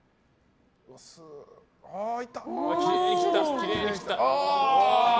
きれいに切った！